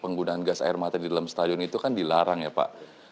penggunaan gas air mata di dalam stadion itu kan dilarang ya pak